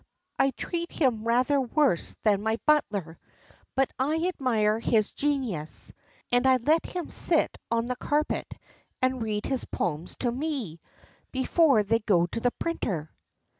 I treat him rather worse than my butler, but I admire his genius, and I let him sit on the carpet and read his poems to me, before they go to the printer."